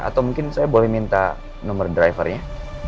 atau mungkin saya boleh minta nomor drivernya